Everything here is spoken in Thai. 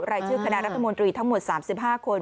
รายชื่อคณะรัฐมนตรีทั้งหมด๓๕คน